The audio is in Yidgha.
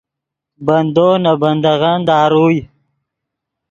بندو نے بندغّن داروئے